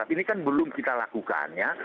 ini kan belum kita lakukan ya